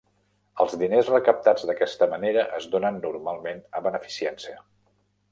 Els diners recaptats d'aquesta manera es donen normalment a beneficència.